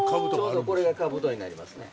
ちょうどこれが兜になりますね。